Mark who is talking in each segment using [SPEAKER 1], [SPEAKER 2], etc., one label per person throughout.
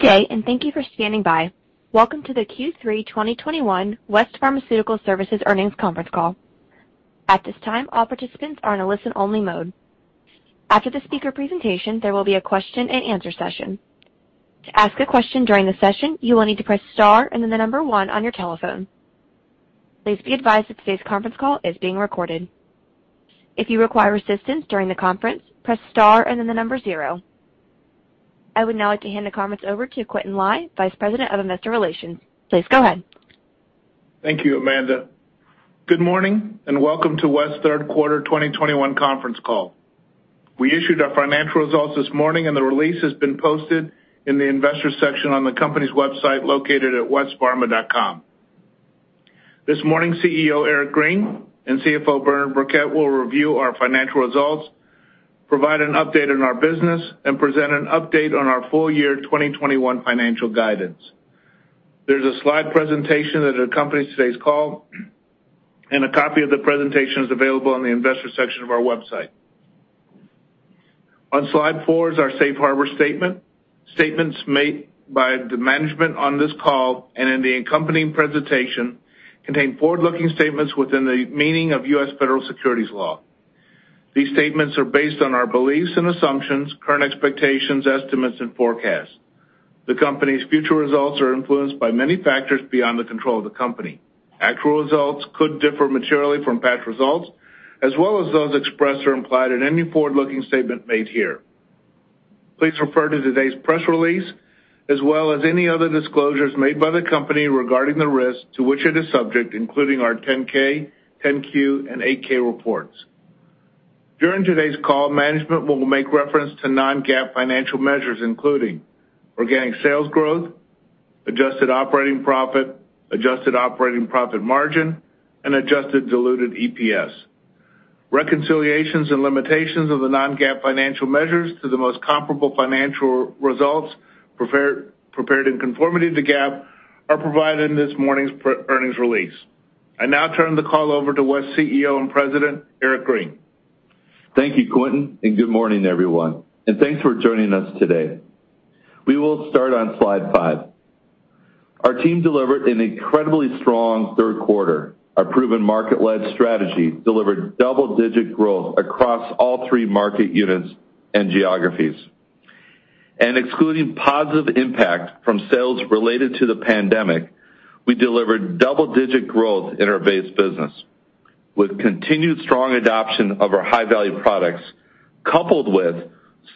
[SPEAKER 1] Good day, and thank you for standing by. Welcome to the Q3 2021 West Pharmaceutical Services earnings conference call. At this time, all participants are in a listen-only mode. After the speaker presentation, there will be a question-and-answer session. To ask a question during the session, you will need to press star and then the number one on your telephone. Please be advised that today's conference call is being recorded. If you require assistance during the conference, press star and then the number zero. I would now like to hand the conference over to Quintin Lai, Vice President of Investor Relations. Please go ahead.
[SPEAKER 2] Thank you, Amanda. Good morning, and welcome to West third quarter 2021 conference call. We issued our financial results this morning, and the release has been posted in the investors section on the company's website, located at westpharma.com. This morning, CEO Eric Green and CFO Bernard Birkett will review our financial results, provide an update on our business, and present an update on our full year 2021 financial guidance. There's a slide presentation that accompanies today's call, and a copy of the presentation is available on the investor section of our website. On slide four is our safe harbor statement. Statements made by the management on this call and in the accompanying presentation contain forward-looking statements within the meaning of U.S. Federal Securities Law. These statements are based on our beliefs and assumptions, current expectations, estimates, and forecasts. The company's future results are influenced by many factors beyond the control of the company. Actual results could differ materially from past results as well as those expressed or implied in any forward-looking statement made here. Please refer to today's press release as well as any other disclosures made by the company regarding the risks to which it is subject, including our 10-K, 10-Q, and 8-K reports. During today's call, management will make reference to non-GAAP financial measures, including organic sales growth, adjusted operating profit, adjusted operating profit margin, and adjusted diluted EPS. Reconciliations and limitations of the non-GAAP financial measures to the most comparable financial results prepared in conformity to GAAP are provided in this morning's earnings release. I now turn the call over to West CEO and President, Eric Green.
[SPEAKER 3] Thank you, Quintin, and good morning, everyone, and thanks for joining us today. We will start on slide five. Our team delivered an incredibly strong third quarter. Our proven market-led strategy delivered double-digit growth across all three market units and geographies. Excluding positive impact from sales related to the pandemic, we delivered double-digit growth in our base business. With continued strong adoption of our high-value products, coupled with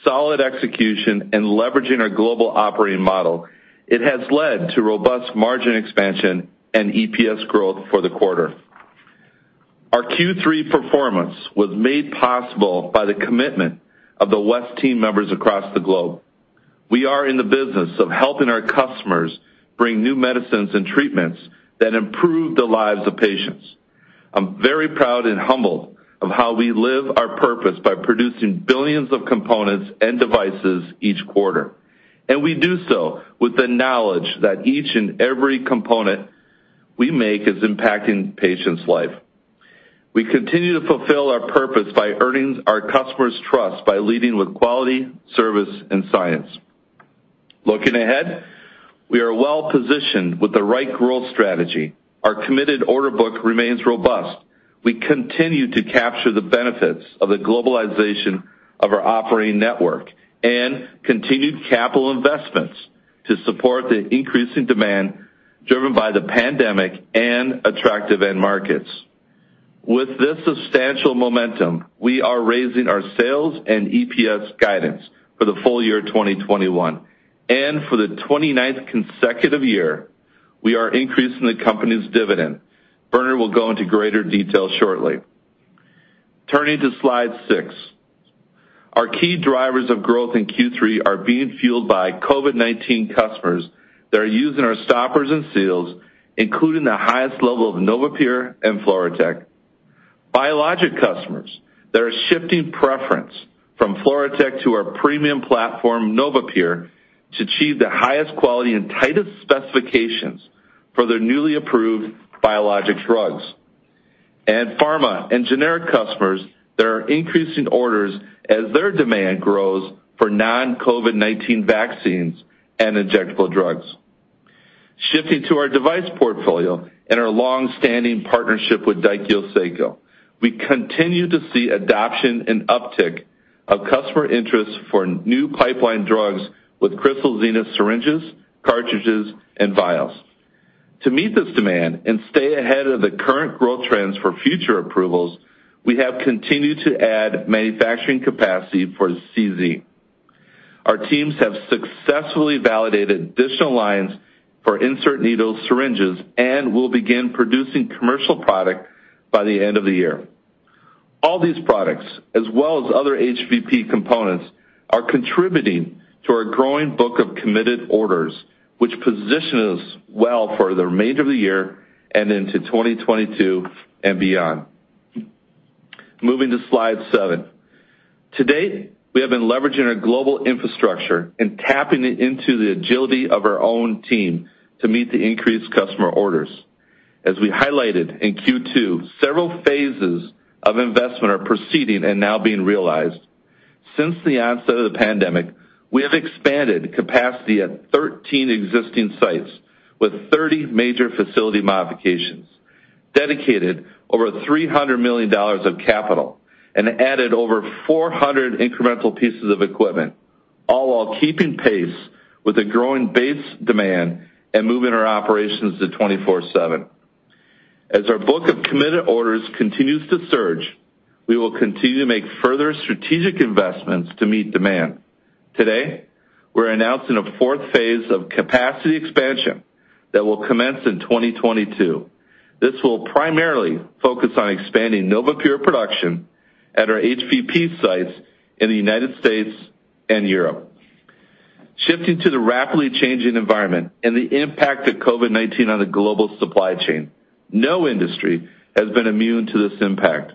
[SPEAKER 3] solid execution and leveraging our global operating model, it has led to robust margin expansion and EPS growth for the quarter. Our Q3 performance was made possible by the commitment of the West team members across the globe. We are in the business of helping our customers bring new medicines and treatments that improve the lives of patients. I'm very proud and humbled of how we live our purpose by producing billions of components and devices each quarter. We do so with the knowledge that each and every component we make is impacting patients' life. We continue to fulfill our purpose by earning our customers' trust by leading with quality, service, and science. Looking ahead, we are well-positioned with the right growth strategy. Our committed order book remains robust. We continue to capture the benefits of the globalization of our operating network and continued capital investments to support the increasing demand driven by the pandemic and attractive end markets. With this substantial momentum, we are raising our sales and EPS guidance for the full year 2021, and for the 29th consecutive year, we are increasing the company's dividend. Bernard will go into greater detail shortly. Turning to slide six. Our key drivers of growth in Q3 are being fueled by COVID-19 customers that are using our stoppers and seals, including the highest level of NovaPure and FluroTec. Biologic customers that are shifting preference from FluroTec to our premium platform, NovaPure, to achieve the highest quality and tightest specifications for their newly approved biologic drugs. Pharma and generic customers that are increasing orders as their demand grows for non-COVID-19 vaccines and injectable drugs. Shifting to our device portfolio and our long-standing partnership with Daiichi Sankyo, we continue to see adoption and uptick of customer interest for new pipeline drugs with Crystal Zenith syringes, cartridges, and vials. To meet this demand and stay ahead of the current growth trends for future approvals, we have continued to add manufacturing capacity for CZ. Our teams have successfully validated additional lines for insert needle syringes and will begin producing commercial product by the end of the year. All these products, as well as other HVP components, are contributing to our growing book of committed orders, which position us well for the remainder of the year and into 2022 and beyond. Moving to slide seven. To date, we have been leveraging our global infrastructure and tapping it into the agility of our own team to meet the increased customer orders. As we highlighted in Q2, several phases of investment are proceeding and now being realized. Since the onset of the pandemic, we have expanded capacity at 13 existing sites with 30 major facility modifications, dedicated over $300 million of capital, and added over 400 incremental pieces of equipment, all while keeping pace with the growing base demand and moving our operations to 24/7. As our book of committed orders continues to surge, we will continue to make further strategic investments to meet demand. Today, we're announcing a fourth phase of capacity expansion that will commence in 2022. This will primarily focus on expanding NovaPure production at our HVP sites in the United States and Europe. Shifting to the rapidly changing environment and the impact of COVID-19 on the global supply chain, no industry has been immune to this impact.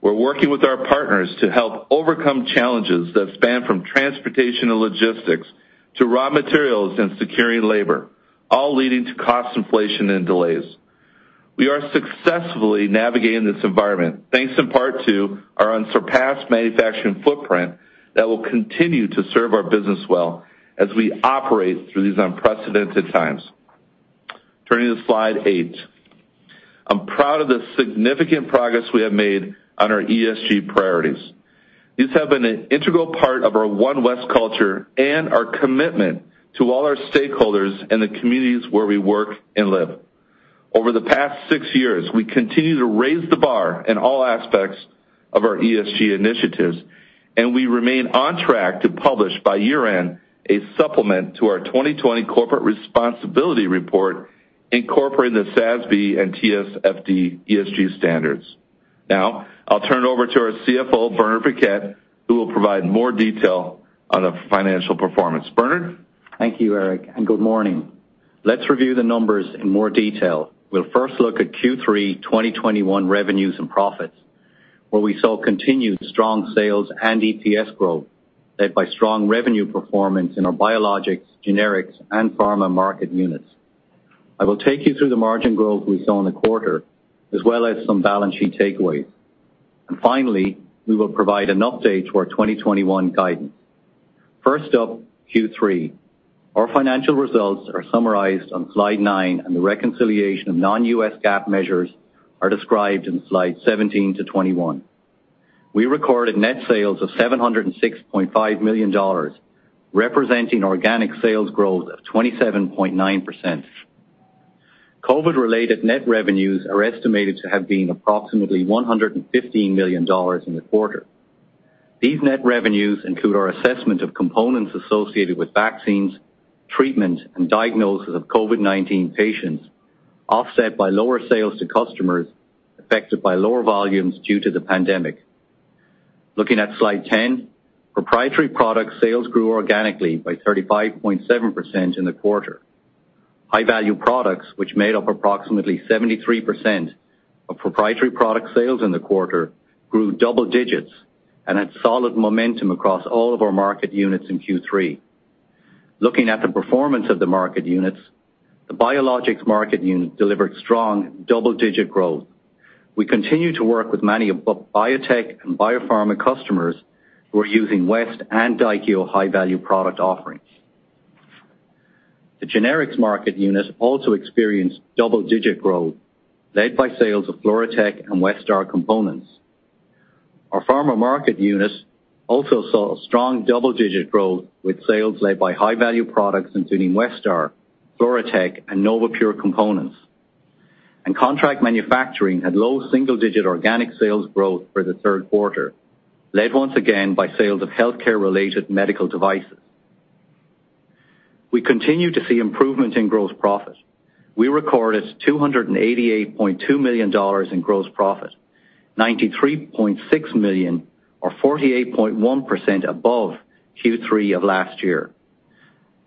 [SPEAKER 3] We're working with our partners to help overcome challenges that span from transportation to logistics to raw materials and securing labor, all leading to cost inflation and delays. We are successfully navigating this environment, thanks in part to our unsurpassed manufacturing footprint that will continue to serve our business well as we operate through these unprecedented times. Turning to slide eight. I'm proud of the significant progress we have made on our ESG priorities. These have been an integral part of our One West culture and our commitment to all our stakeholders and the communities where we work and live. Over the past six years, we continue to raise the bar in all aspects of our ESG initiatives, and we remain on track to publish by year-end a supplement to our 2020 Corporate Responsibility Report incorporating the SASB and TCFD ESG standards. Now I'll turn it over to our CFO, Bernard Birkett, who will provide more detail on the financial performance. Bernard?
[SPEAKER 4] Thank you, Eric, and good morning. Let's review the numbers in more detail. We'll first look at Q3 2021 revenues and profits, where we saw continued strong sales and EPS growth, led by strong revenue performance in our biologics, generics, and pharma market units. I will take you through the margin growth we saw in the quarter, as well as some balance sheet takeaways. Finally, we will provide an update to our 2021 guidance. First up, Q3. Our financial results are summarized on slide nine, and the reconciliation of non-GAAP measures are described in slides 17-21. We recorded net sales of $706.5 million, representing organic sales growth of 27.9%. COVID-related net revenues are estimated to have been approximately $115 million in the quarter. These net revenues include our assessment of components associated with vaccines, treatment, and diagnosis of COVID-19 patients, offset by lower sales to customers affected by lower volumes due to the pandemic. Looking at slide 10, proprietary product sales grew organically by 35.7% in the quarter. High-value products, which made up approximately 73% of proprietary product sales in the quarter, grew double digits and had solid momentum across all of our market units in Q3. Looking at the performance of the market units, the biologics market unit delivered strong double-digit growth. We continue to work with many of both biotech and biopharma customers who are using West and Daikyo high-value product offerings. The generics market unit also experienced double-digit growth, led by sales of FluroTec and Westar components. Our pharma market units also saw a strong double-digit growth with sales led by high-value products including Westar, FluroTec, and NovaPure components. Contract manufacturing had low single-digit organic sales growth for the third quarter, led once again by sales of healthcare-related medical devices. We continue to see improvement in gross profit. We recorded $288.2 million in gross profit, $93.6 million or 48.1% above Q3 of last year.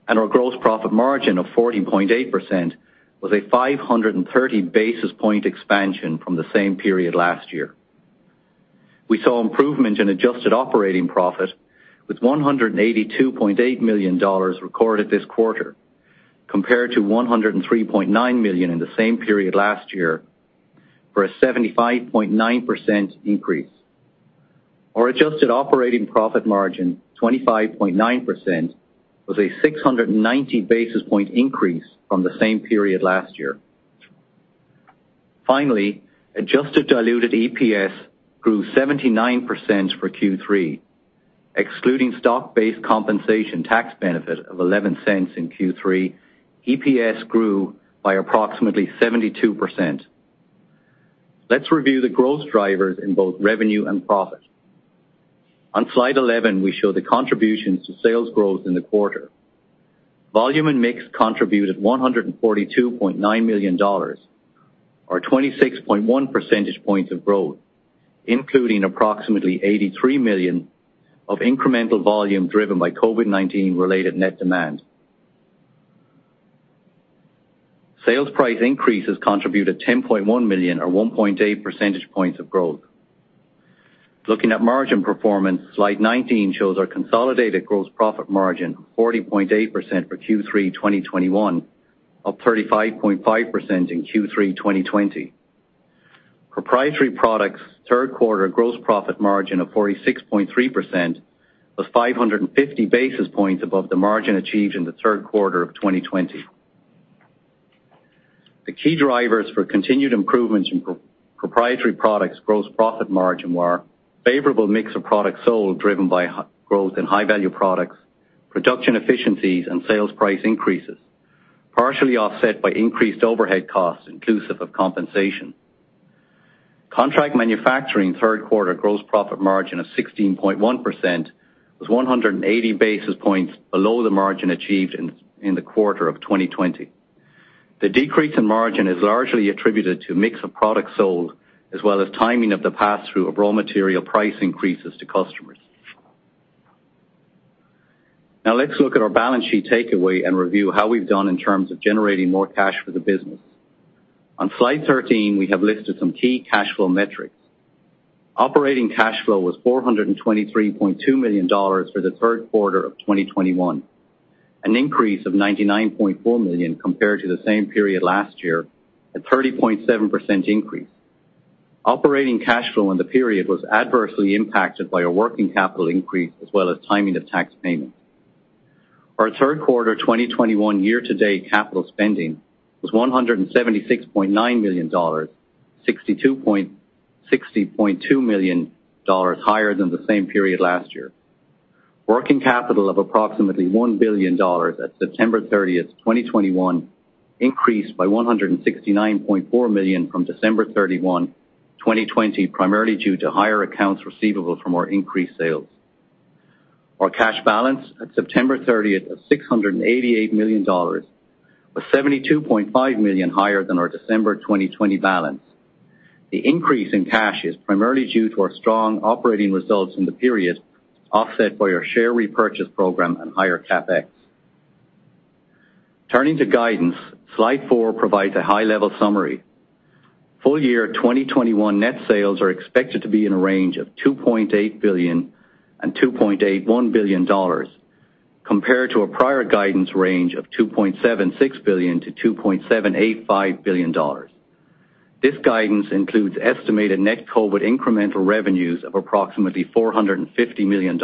[SPEAKER 4] Our gross profit margin of 14.8% was a 530 basis point expansion from the same period last year. We saw improvement in adjusted operating profit with $182.8 million recorded this quarter, compared to $103.9 million in the same period last year, for a 75.9% increase. Our adjusted operating profit margin, 25.9%, was a 690 basis point increase from the same period last year. Finally, adjusted diluted EPS grew 79% for Q3. Excluding stock-based compensation tax benefit of $0.11 in Q3, EPS grew by approximately 72%. Let's review the growth drivers in both revenue and profit. On slide 11, we show the contributions to sales growth in the quarter. Volume and mix contributed $142.9 million, or 26.1 percentage points of growth, including approximately $83 million of incremental volume driven by COVID-19 related net demand. Sales price increases contributed $10.1 million or 1.8 percentage points of growth. Looking at margin performance, slide 19 shows our consolidated gross profit margin 40.8% for Q3 2021, up from 35.5% in Q3 2020. Proprietary Products third quarter gross profit margin of 46.3% was 550 basis points above the margin achieved in the third quarter of 2020. The key drivers for continued improvements in Proprietary Products gross profit margin were favorable mix of products sold, driven by high-growth in high-value products, production efficiencies, and sales price increases, partially offset by increased overhead costs inclusive of compensation. Contract Manufacturing third quarter gross profit margin of 16.1% was 180 basis points below the margin achieved in the quarter of 2020. The decrease in margin is largely attributed to mix of products sold, as well as timing of the pass-through of raw material price increases to customers. Now let's look at our balance sheet takeaway and review how we've done in terms of generating more cash for the business. On slide 13, we have listed some key cash flow metrics. Operating cash flow was $423.2 million for the third quarter of 2021, an increase of $99.4 million compared to the same period last year, a 30.7% increase. Operating cash flow in the period was adversely impacted by a working capital increase as well as timing of tax payment. Our third quarter 2021 year-to-date capital spending was $176.9 million, $60.2 million higher than the same period last year. Working capital of approximately $1 billion at September 30, 2021, increased by $169.4 million from December 31, 2020, primarily due to higher accounts receivable from our increased sales. Our cash balance at September 30 of $688 million was $72.5 million higher than our December 2020 balance. The increase in cash is primarily due to our strong operating results in the period, offset by our share repurchase program and higher CapEx. Turning to guidance, slide four provides a high-level summary. Full year 2021 net sales are expected to be in a range of $2.8 billion-$2.81 billion compared to a prior guidance range of $2.76 billion-$2.785 billion. This guidance includes estimated net COVID incremental revenues of approximately $450 million.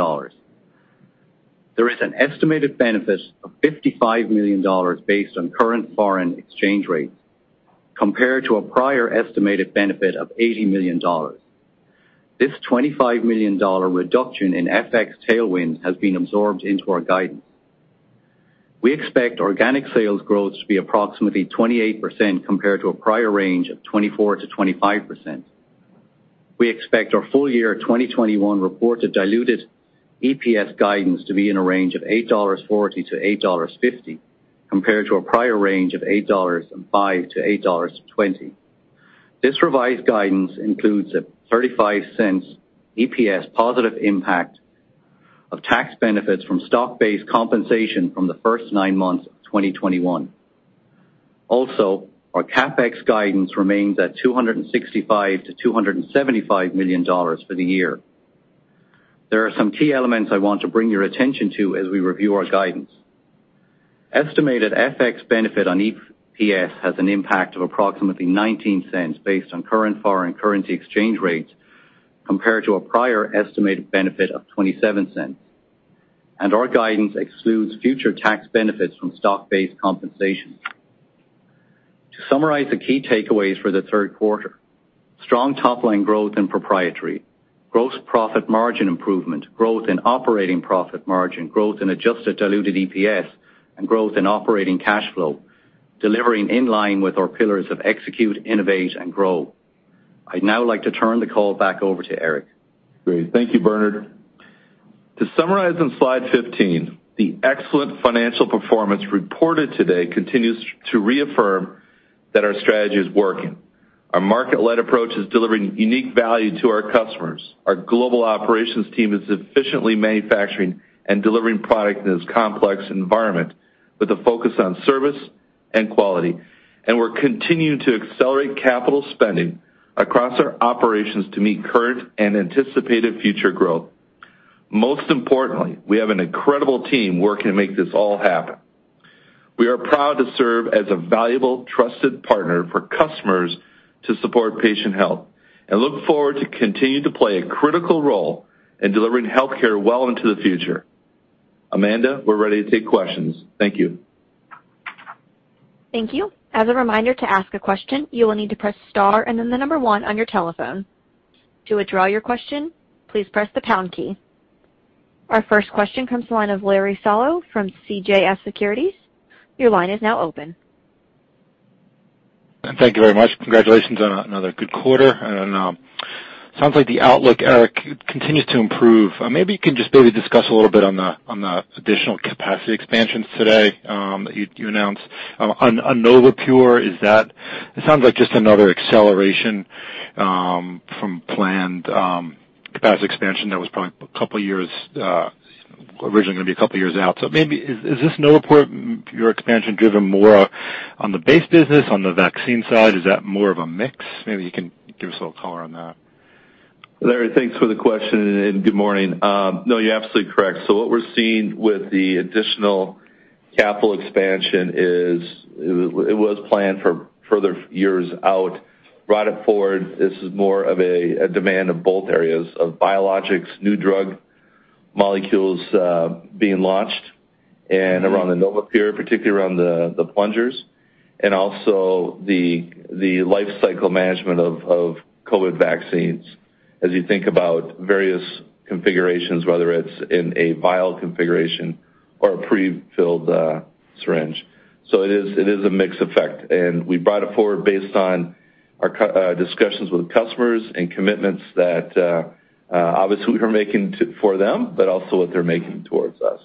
[SPEAKER 4] There is an estimated benefit of $55 million based on current foreign exchange rates compared to a prior estimated benefit of $80 million. This $25 million reduction in FX tailwind has been absorbed into our guidance. We expect organic sales growth to be approximately 28% compared to a prior range of 24%-25%. We expect our full year 2021 reported diluted EPS guidance to be in a range of $8.40-$8.50 compared to a prior range of $8.05-$8.20. This revised guidance includes a $0.35 EPS positive impact of tax benefits from stock-based compensation from the first nine months of 2021. Also, our CapEx guidance remains at $265 million-$275 million for the year. There are some key elements I want to bring your attention to as we review our guidance. Estimated FX benefit on EPS has an impact of approximately $0.19 based on current foreign currency exchange rates compared to a prior estimated benefit of $0.27. Our guidance excludes future tax benefits from stock-based compensation. To summarize the key takeaways for the third quarter, strong top line growth in Proprietary, gross profit margin improvement, growth in operating profit margin, growth in adjusted diluted EPS, and growth in operating cash flow, delivering in line with our pillars of execute, innovate, and grow. I'd now like to turn the call back over to Eric.
[SPEAKER 3] Great. Thank you, Bernard. To summarize on slide 15, the excellent financial performance reported today continues to reaffirm that our strategy is working. Our market-led approach is delivering unique value to our customers. Our global operations team is efficiently manufacturing and delivering product in this complex environment with a focus on service and quality. We're continuing to accelerate capital spending across our operations to meet current and anticipated future growth. Most importantly, we have an incredible team working to make this all happen. We are proud to serve as a valuable, trusted partner for customers to support patient health and look forward to continuing to play a critical role in delivering healthcare well into the future. Amanda, we're ready to take questions. Thank you.
[SPEAKER 1] Thank you. As a reminder, to ask a question, you will need to press star and then the number one on your telephone. To withdraw your question, please press the pound key. Our first question comes to the line of Larry Solow from CJS Securities. Your line is now open.
[SPEAKER 5] Thank you very much. Congratulations on another good quarter. Sounds like the outlook, Eric, continues to improve. Maybe you can just discuss a little bit on the additional capacity expansions today that you announced on NovaPure. It sounds like just another acceleration from planned capacity expansion that was probably a couple years originally gonna be a couple years out. Maybe is this NovaPure your expansion driven more on the base business. On the vaccine side, is that more of a mix? Maybe you can give us a little color on that.
[SPEAKER 3] Larry, thanks for the question and good morning. No, you're absolutely correct. What we're seeing with the additional capital expansion is it was planned for further years out, brought it forward. This is more of a demand of both areas of biologics, new drug molecules being launched and around the NovaPure, particularly around the plungers, and also the life cycle management of COVID vaccines as you think about various configurations, whether it's in a vial configuration or a prefilled syringe. It is a mixed effect, and we brought it forward based on our discussions with customers and commitments that obviously we're making for them but also what they're making towards us.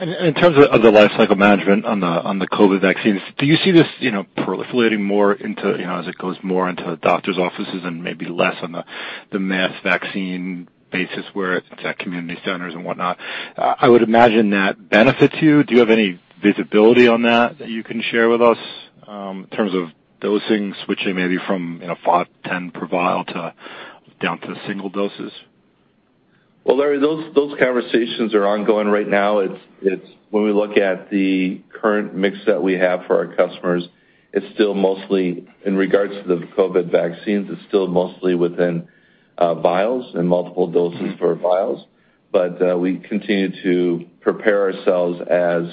[SPEAKER 5] In terms of the life cycle management on the COVID vaccines, do you see this, you know, proliferating more into, you know, as it goes more into the doctor's offices and maybe less on the mass vaccine basis where it's at community centers and whatnot? I would imagine that benefits you. Do you have any visibility on that you can share with us in terms of dosing, switching maybe from, you know, five, 10 per vial to down to single doses?
[SPEAKER 3] Well, Larry, those conversations are ongoing right now. It's when we look at the current mix that we have for our customers, it's still mostly in regards to the COVID-19 vaccines. It's still mostly within vials and multiple doses for vials. We continue to prepare ourselves as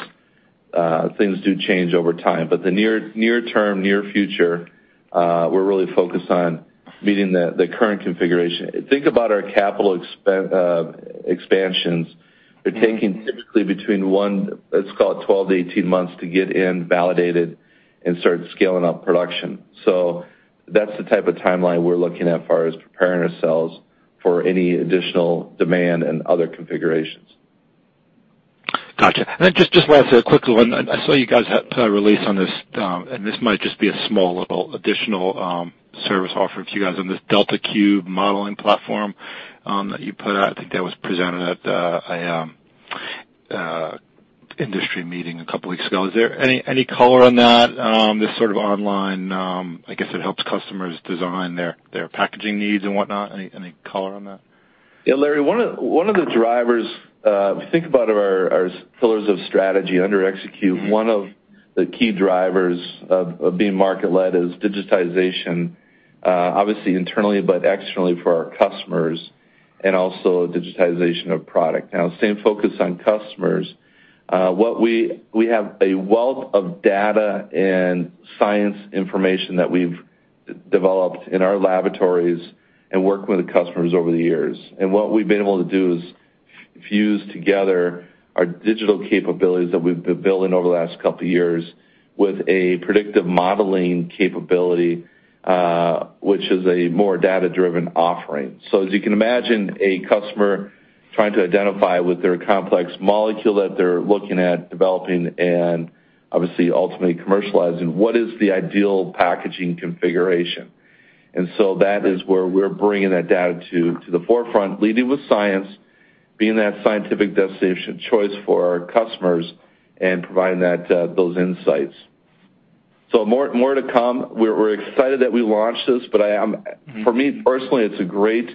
[SPEAKER 3] things do change over time. The near term, near future, we're really focused on meeting the current configuration. Think about our capital expansions. They're taking typically between one, let's call it 12-18 months to get in, validated and start scaling up production. That's the type of timeline we're looking at as far as preparing ourselves for any additional demand and other configurations.
[SPEAKER 5] Gotcha. Just last, a quick one. I saw you guys had put a release on this, and this might just be a small little additional service offering to you guys on this modeling platform that you put out. I think that was presented at an industry meeting a couple weeks ago. Is there any color on that, this sort of online, I guess it helps customers design their packaging needs and whatnot. Any color on that?
[SPEAKER 3] Yeah, Larry, one of the drivers, if you think about our pillars of strategy under execute, one of the key drivers of being market led is digitization, obviously internally but externally for our customers and also digitization of product. Now, same focus on customers. What we have, a wealth of data and science information that we've developed in our laboratories and working with the customers over the years. What we've been able to do is fuse together our digital capabilities that we've been building over the last couple years with a predictive modeling capability, which is a more data-driven offering. As you can imagine, a customer trying to identify with their complex molecule that they're looking at developing and obviously ultimately commercializing, what is the ideal packaging configuration? That is where we're bringing that data to the forefront, leading with science, being that scientific destination choice for our customers and providing that, those insights. More to come. We're excited that we launched this, but I am-
[SPEAKER 5] Mm-hmm.
[SPEAKER 3] For me personally, it's a great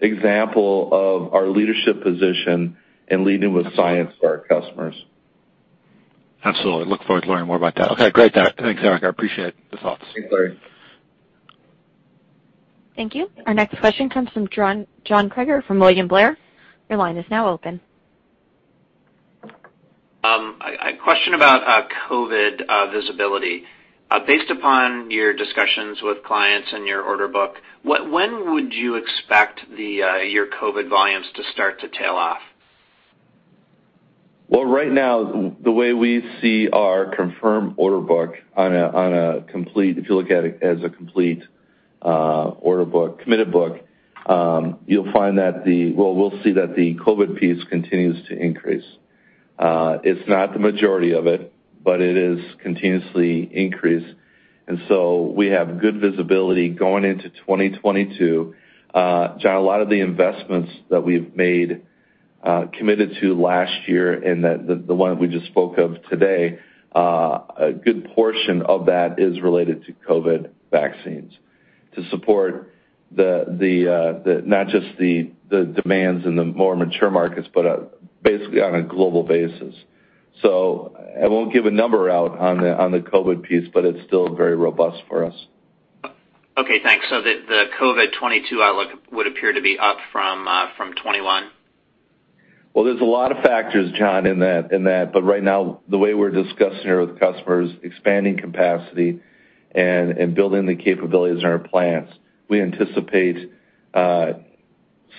[SPEAKER 3] example of our leadership position in leading with science for our customers.
[SPEAKER 5] Absolutely. Look forward to learning more about that. Okay, great, Eric. Thanks, Eric. I appreciate the thoughts.
[SPEAKER 3] Thanks, Larry.
[SPEAKER 1] Thank you. Our next question comes from John Kreger from William Blair. Your line is now open.
[SPEAKER 6] A question about COVID visibility. Based upon your discussions with clients and your order book, when would you expect your COVID volumes to start to tail off?
[SPEAKER 3] Well, right now, the way we see our confirmed order book on a complete, if you look at it as a complete order book, committed book, you'll find that the COVID piece continues to increase. It's not the majority of it, but it is continuously increased, and we have good visibility going into 2022. John, a lot of the investments that we've made, committed to last year and the one we just spoke of today, a good portion of that is related to COVID vaccines to support not just the demands in the more mature markets, but basically on a global basis. I won't give a number out on the COVID piece, but it's still very robust for us.
[SPEAKER 6] Okay, thanks. The COVID 2022 outlook would appear to be up from 2021?
[SPEAKER 3] Well, there's a lot of factors, John, in that, but right now, the way we're discussing here with customers expanding capacity and building the capabilities in our plants, we anticipate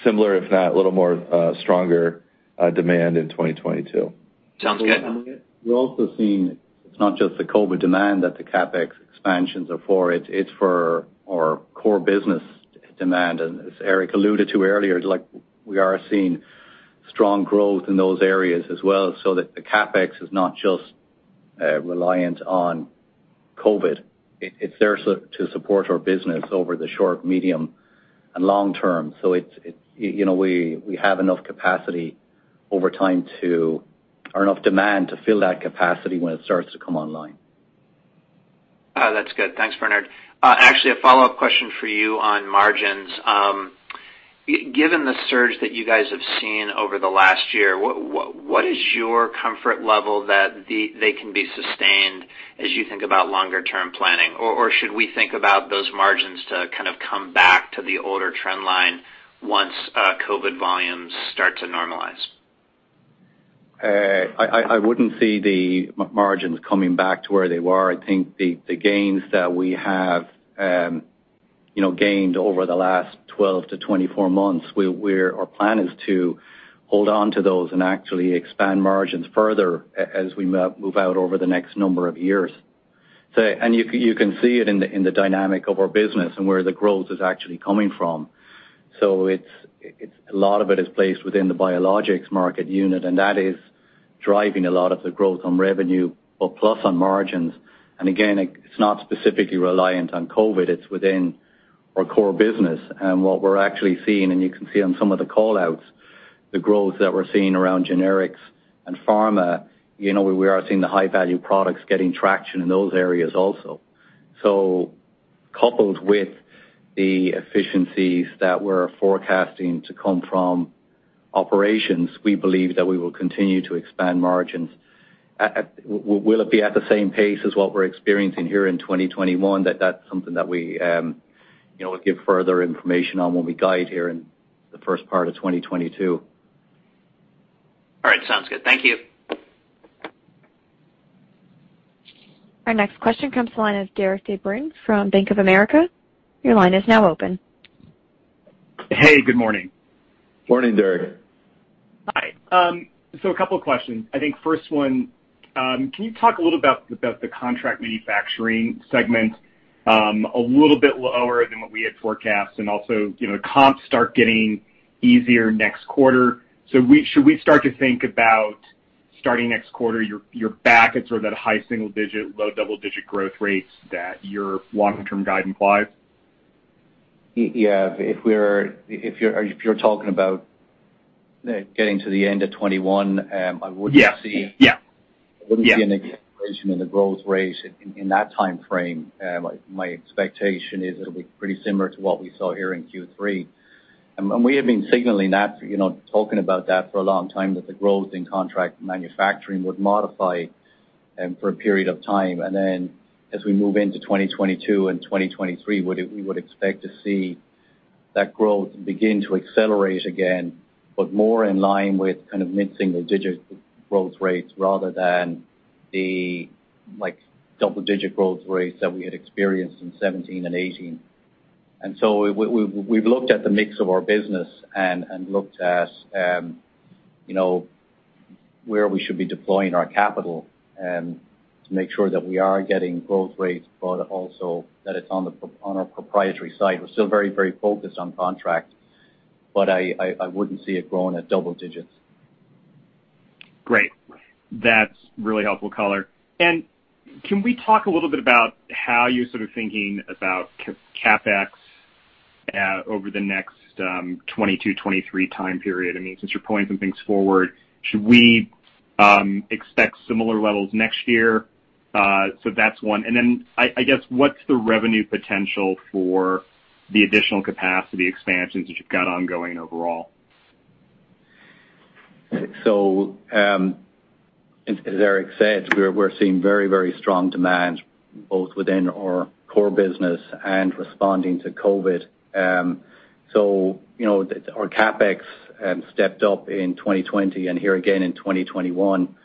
[SPEAKER 3] similar, if not a little more, stronger, demand in 2022.
[SPEAKER 6] Sounds good.
[SPEAKER 4] We're also seeing it's not just the COVID demand that the CapEx expansions are for. It's for our core business demand. As Eric alluded to earlier, it's like we are seeing strong growth in those areas as well, so that the CapEx is not just reliant on COVID. It's there to support our business over the short, medium, and long term. You know, we have enough capacity over time or enough demand to fill that capacity when it starts to come online.
[SPEAKER 6] That's good. Thanks, Bernard. Actually, a follow-up question for you on margins. Given the surge that you guys have seen over the last year, what is your comfort level that they can be sustained as you think about longer term planning? Or should we think about those margins to kind of come back to the older trend line once COVID volumes start to normalize?
[SPEAKER 4] I wouldn't see the margins coming back to where they were. I think the gains that we have, you know, gained over the last 12-24 months. Our plan is to hold on to those and actually expand margins further as we move out over the next number of years. You can see it in the dynamic of our business and where the growth is actually coming from. It's a lot of it is placed within the biologics market unit, and that is driving a lot of the growth on revenue, but plus on margins. Again, it's not specifically reliant on COVID. It's within our core business. What we're actually seeing, and you can see on some of the call-outs, the growth that we're seeing around generics and pharma, you know, we are seeing the high-value products getting traction in those areas also. Coupled with the efficiencies that we're forecasting to come from operations, we believe that we will continue to expand margins. Will it be at the same pace as what we're experiencing here in 2021? That's something that we, you know, give further information on when we guide here in the first part of 2022.
[SPEAKER 6] All right, sounds good. Thank you.
[SPEAKER 1] Our next question comes to the line of Derik De Bruin from Bank of America. Your line is now open.
[SPEAKER 7] Hey, good morning.
[SPEAKER 3] Morning, Derik.
[SPEAKER 7] Hi. A couple of questions. I think first one, can you talk a little about the contract manufacturing segment, a little bit lower than what we had forecast, and also, comps start getting easier next quarter. Should we start to think about starting next quarter, you're back at sort of that high single digit, low double-digit growth rates that your long-term guide implies?
[SPEAKER 4] Yeah. If you're talking about getting to the end of 2021, I wouldn't see-
[SPEAKER 7] Yeah. Yeah.
[SPEAKER 4] I wouldn't see any acceleration in the growth rate in that time frame. My expectation is it'll be pretty similar to what we saw here in Q3. We have been signaling that, you know, talking about that for a long time, that the growth in contract manufacturing would modify for a period of time. As we move into 2022 and 2023, we would expect to see that growth begin to accelerate again, but more in line with kind of mid-single digit growth rates rather than the like double-digit growth rates that we had experienced in 17 and 18. We've looked at the mix of our business and looked at you know where we should be deploying our capital to make sure that we are getting growth rates but also that it's on our proprietary side. We're still very focused on contract but I wouldn't see it growing at double digits.
[SPEAKER 7] Great. That's really helpful color. Can we talk a little bit about how you're sort of thinking about CapEx over the next 2022, 2023 time period? I mean, since you're pointing some things forward, should we expect similar levels next year? That's one. I guess, what's the revenue potential for the additional capacity expansions that you've got ongoing overall?
[SPEAKER 4] As Eric said, we're seeing very, very strong demand both within our core business and responding to COVID. You know, our CapEx stepped up in 2020 and here again in 2021.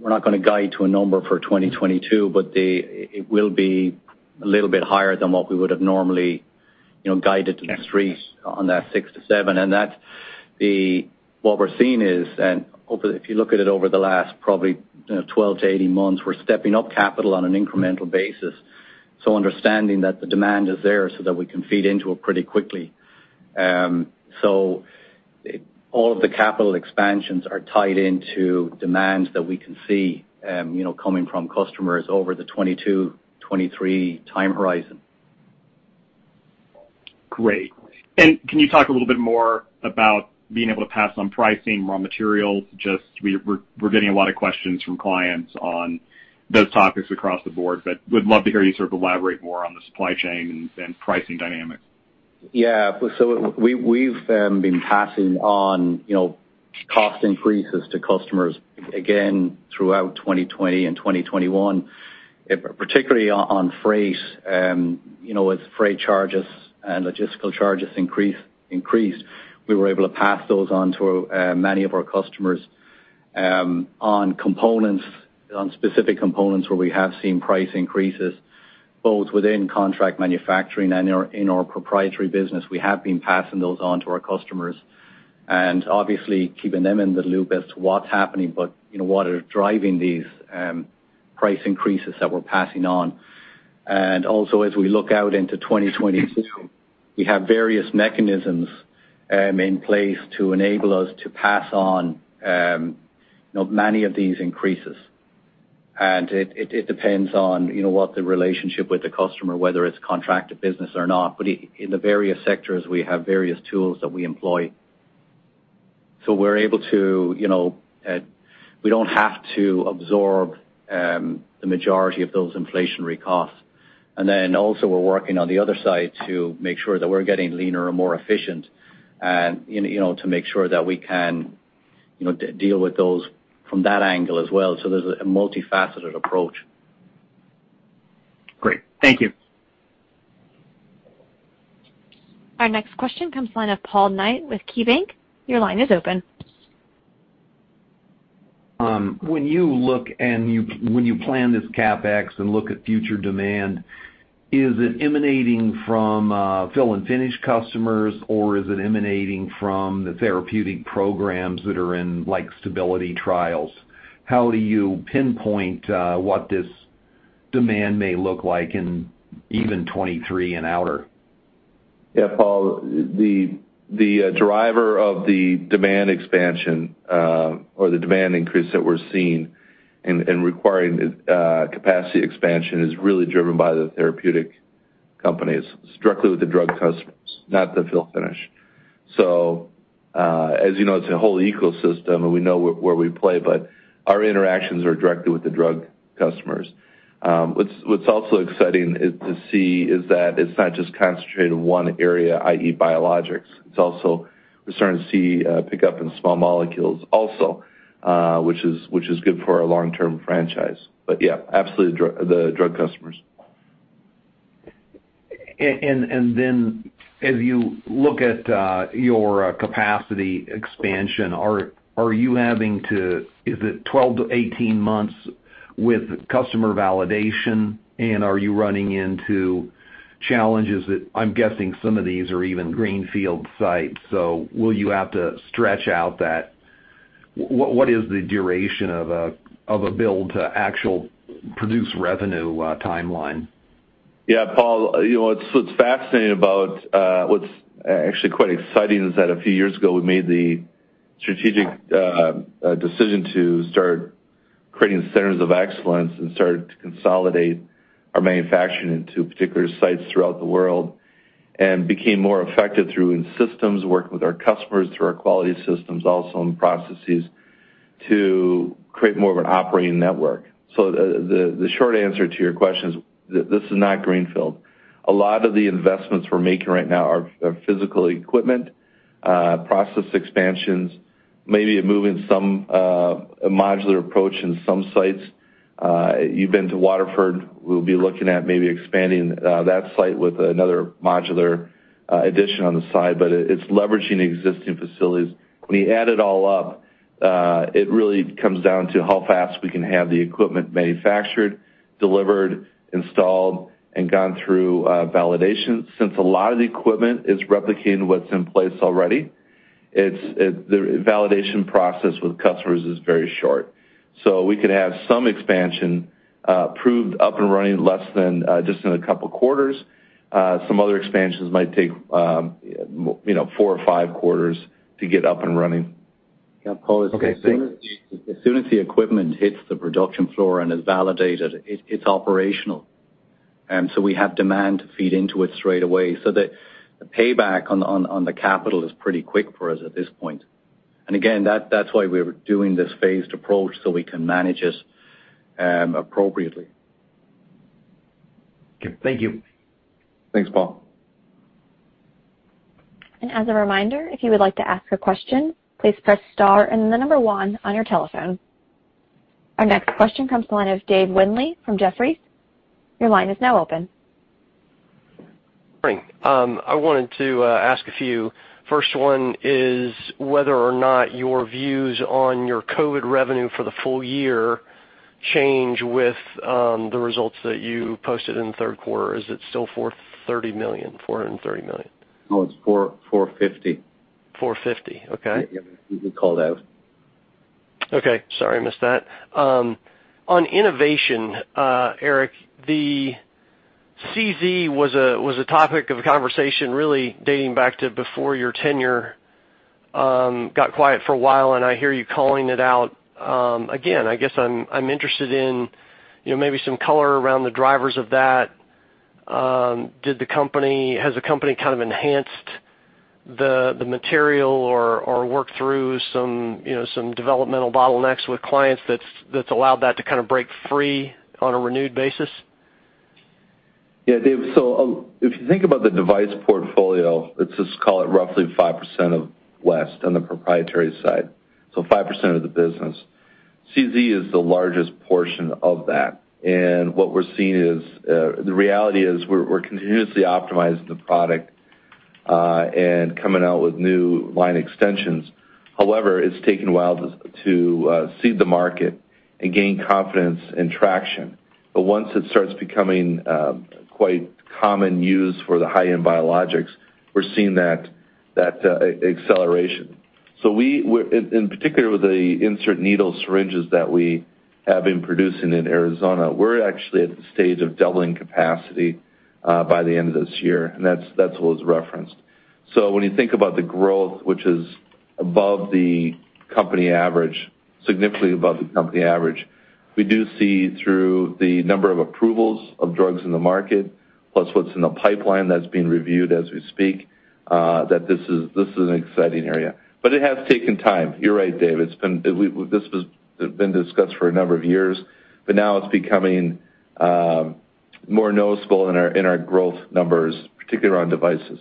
[SPEAKER 4] We're not gonna guide to a number for 2022, but it will be a little bit higher than what we would have normally, you know, guided to the streets on that 6-7. What we're seeing is, if you look at it over the last probably, you know, 12 to 18 months, we're stepping up capital on an incremental basis, understanding that the demand is there so that we can feed into it pretty quickly. All of the capital expansions are tied into demands that we can see, you know, coming from customers over the 2022-2023 time horizon.
[SPEAKER 7] Great. Can you talk a little bit more about being able to pass on pricing, raw materials? Just we're getting a lot of questions from clients on those topics across the board, but we'd love to hear you sort of elaborate more on the supply chain and pricing dynamics.
[SPEAKER 4] We've been passing on, you know, cost increases to customers again throughout 2020 and 2021, particularly on freight. You know, as freight charges and logistical charges increased, we were able to pass those on to many of our customers. On components, on specific components where we have seen price increases, both within contract manufacturing and in our proprietary business, we have been passing those on to our customers and obviously keeping them in the loop as to what's happening, but you know what are driving these price increases that we're passing on. Also as we look out into 2022, we have various mechanisms in place to enable us to pass on, you know, many of these increases. It depends on, you know, what the relationship with the customer, whether it's contracted business or not. In the various sectors, we have various tools that we employ. We're able to, you know, we don't have to absorb the majority of those inflationary costs. Then also we're working on the other side to make sure that we're getting leaner and more efficient and, you know, to make sure that we can, you know, deal with those from that angle as well. There's a multifaceted approach.
[SPEAKER 7] Great. Thank you.
[SPEAKER 1] Our next question comes from the line of Paul Knight with KeyBanc. Your line is open.
[SPEAKER 8] When you plan this CapEx and look at future demand, is it emanating from fill and finish customers, or is it emanating from the therapeutic programs that are in, like, stability trials? How do you pinpoint what this demand may look like in even 2023 and outer?
[SPEAKER 3] Yeah, Paul, the driver of the demand expansion or the demand increase that we're seeing and requiring capacity expansion is really driven by the therapeutic companies, strictly with the drug customers, not the fill finish. As you know, it's a whole ecosystem, and we know where we play, but our interactions are directly with the drug customers. What's also exciting is to see that it's not just concentrated in one area, i.e. biologics. It's also we're starting to see pickup in small molecules also, which is good for our long-term franchise. Yeah, absolutely, the drug customers.
[SPEAKER 8] As you look at your capacity expansion, are you having to, is it 12-18 months with customer validation? Are you running into challenges that I'm guessing some of these are even greenfield sites, so will you have to stretch out that? What is the duration of a build to actually produce revenue timeline?
[SPEAKER 3] Yeah, Paul, you know, what's fascinating about what's actually quite exciting is that a few years ago, we made the strategic decision to start creating centers of excellence and started to consolidate our manufacturing into particular sites throughout the world and became more effective through lean systems, working with our customers through our quality systems, also in processes to create more of an operating network. The short answer to your question is this is not greenfield. A lot of the investments we're making right now are physical equipment, process expansions, maybe a modular approach in some sites. You've been to Waterford. We'll be looking at maybe expanding that site with another modular addition on the side, but it's leveraging existing facilities. When you add it all up, it really comes down to how fast we can have the equipment manufactured, delivered, installed, and gone through validation. Since a lot of the equipment is replicating what's in place already, the validation process with customers is very short. We could have some expansion up and running in less than just a couple quarters. Some other expansions might take, you know, four or five quarters to get up and running.
[SPEAKER 4] Yeah, Paul, as soon as the
[SPEAKER 8] Okay, thanks.
[SPEAKER 4] As soon as the equipment hits the production floor and is validated, it's operational. We have demand to feed into it straight away. The payback on the capital is pretty quick for us at this point. Again, that's why we're doing this phased approach, so we can manage this appropriately.
[SPEAKER 8] Okay. Thank you.
[SPEAKER 3] Thanks, Paul.
[SPEAKER 1] Our next question comes from the line of Dave Windley from Jefferies. Your line is now open.
[SPEAKER 9] Morning. I wanted to ask a few. First one is whether or not your views on your COVID revenue for the full year change with the results that you posted in the third quarter. Is it still $430 million?
[SPEAKER 4] No, it's 4, 450.
[SPEAKER 9] 450. Okay.
[SPEAKER 4] Yeah, we called out.
[SPEAKER 9] Okay. Sorry, I missed that. On innovation, Eric, the CZ was a topic of conversation really dating back to before your tenure, got quiet for a while, and I hear you calling it out again. I guess I'm interested in, you know, maybe some color around the drivers of that. Has the company kind of enhanced the material or worked through some you know developmental bottlenecks with clients that's allowed that to kind of break free on a renewed basis?
[SPEAKER 3] Yeah, Dave. If you think about the device portfolio, let's just call it roughly 5% or less on the proprietary side, so 5% of the business. CZ is the largest portion of that. What we're seeing is the reality is we're continuously optimizing the product and coming out with new line extensions. However, it's taken a while to seed the market and gain confidence and traction. Once it starts becoming quite common use for the high-end biologics, we're seeing that acceleration. In particular with the insert needle syringes that we have been producing in Arizona, we're actually at the stage of doubling capacity by the end of this year, and that's what was referenced. When you think about the growth, which is above the company average, significantly above the company average, we do see through the number of approvals of drugs in the market, plus what's in the pipeline that's being reviewed as we speak, that this is an exciting area. It has taken time. You're right, Dave. This has been discussed for a number of years, but now it's becoming more noticeable in our growth numbers, particularly around devices.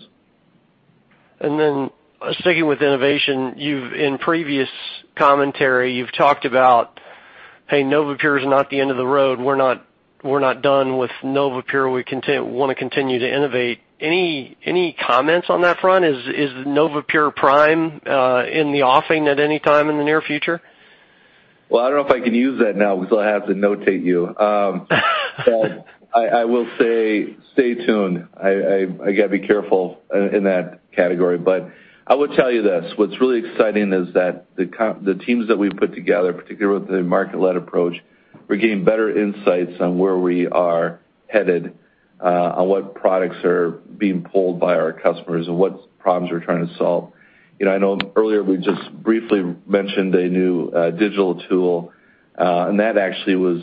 [SPEAKER 9] Sticking with innovation, in previous commentary, you've talked about, hey, NovaPure is not the end of the road. We're not done with NovaPure. We wanna continue to innovate. Any comments on that front? Is NovaPure Prime in the offing at any time in the near future?
[SPEAKER 3] Well, I don't know if I can use that now because I'll have to notify you. But I will say, stay tuned. I gotta be careful in that category. But I will tell you this, what's really exciting is that the teams that we've put together, particularly with the market-led approach, we're getting better insights on where we are headed, on what products are being pulled by our customers and what problems we're trying to solve. You know, I know earlier we just briefly mentioned a new digital tool, and that actually was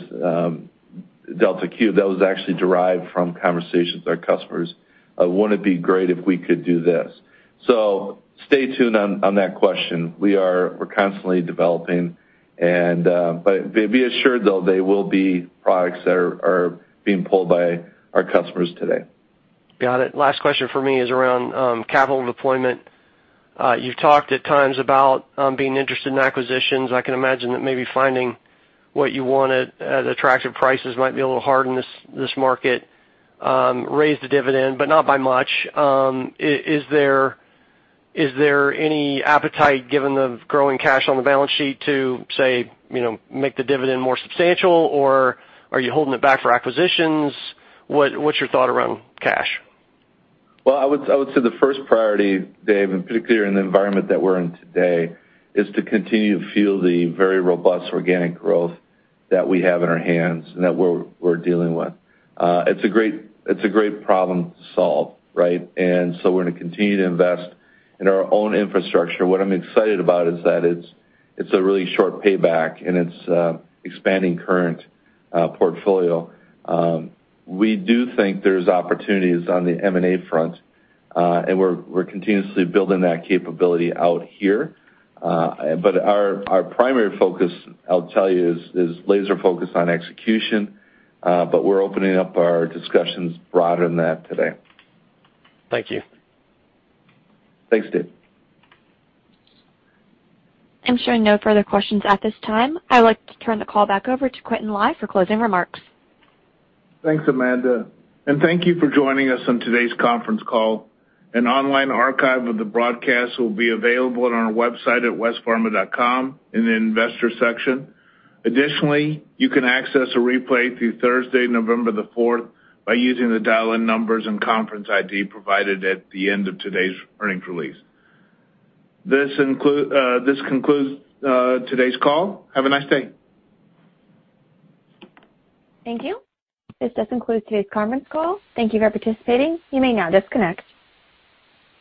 [SPEAKER 3] Deltacube. That was actually derived from conversations with our customers. Wouldn't it be great if we could do this? Stay tuned on that question. We're constantly developing and, but be assured though, they will be products that are being pulled by our customers today.
[SPEAKER 9] Got it. Last question for me is around capital deployment. You've talked at times about being interested in acquisitions. I can imagine that maybe finding what you wanted at attractive prices might be a little hard in this market. Raised the dividend, but not by much. Is there any appetite given the growing cash on the balance sheet to say, you know, make the dividend more substantial, or are you holding it back for acquisitions? What's your thought around cash?
[SPEAKER 3] Well, I would say the first priority, Dave, and particularly in the environment that we're in today, is to continue to fuel the very robust organic growth that we have in our hands and that we're dealing with. It's a great problem to solve, right? We're gonna continue to invest in our own infrastructure. What I'm excited about is that it's a really short payback, and it's expanding current portfolio. We do think there's opportunities on the M&A front, and we're continuously building that capability out here. Our primary focus, I'll tell you, is laser focused on execution. We're opening up our discussions broader than that today.
[SPEAKER 9] Thank you.
[SPEAKER 3] Thanks, Dave.
[SPEAKER 1] I'm showing no further questions at this time. I would like to turn the call back over to Quintin Lai for closing remarks.
[SPEAKER 2] Thanks, Amanda, and thank you for joining us on today's conference call. An online archive of the broadcast will be available on our website at westpharma.com in the investor section. Additionally, you can access a replay through Thursday, November 4 by using the dial-in numbers and conference ID provided at the end of today's earnings release. This concludes today's call. Have a nice day.
[SPEAKER 1] Thank you. This does conclude today's conference call. Thank you for participating. You may now disconnect.